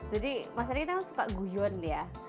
jadi mas eri kita suka guyon ya